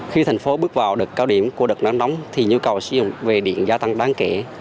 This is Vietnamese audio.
khi thành phố bước vào được cao điểm của đợt nắng nóng thì nhu cầu sử dụng về điện gia tăng đáng kể